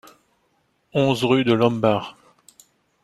onze rue de l'Ohmbach